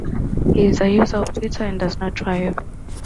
He is a user of Twitter, and does not drive.